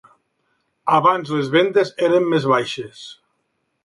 Abans les vendes eren més baixes.